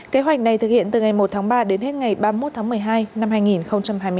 kế hoạch này thực hiện từ ngày một tháng ba đến hết ngày ba mươi một tháng một mươi hai năm hai nghìn hai mươi bốn